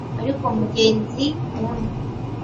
ariko mugenzi umwe.